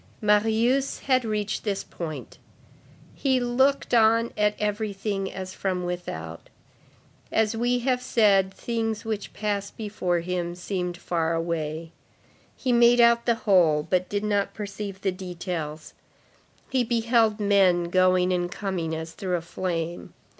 Marius had reached this point. He looked on at everything as from without; as we have said, things which passed before him seemed far away; he made out the whole, but did not perceive the details. He beheld men going and coming as through a flame.